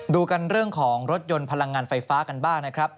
ดูกันเรื่องของรถยนต์พลังงานไฟฟ้ากันบ้างนะครับ